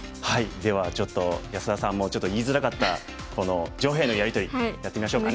ではちょっと安田さんもちょっと言いづらかったこの上辺のやり取りやってみましょうかね。